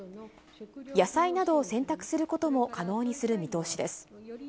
野菜などを選択することも可能にする見通しです。